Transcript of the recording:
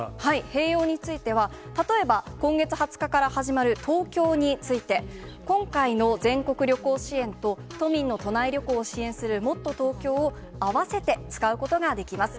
併用については、例えば今月２０日から始まる東京について、今回の全国旅行支援と、都民の都内旅行を支援するもっとＴｏｋｙｏを併せて使うことができます。